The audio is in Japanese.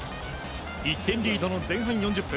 １点リードの前半４０分。